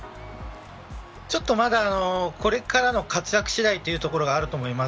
ちょっとまだ、これからの活躍次第というところがあると思います。